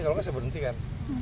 kalau nggak saya berhentikan